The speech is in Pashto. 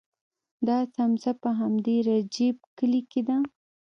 دا څمڅه په همدې رجیب کلي کې ده.